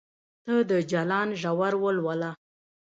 ته د جلان ژور ولوله